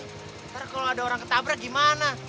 nanti kalau ada orang ketabrak gimana